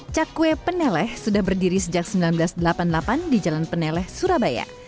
cakwe peneleh sudah berdiri sejak seribu sembilan ratus delapan puluh delapan di jalan peneleh surabaya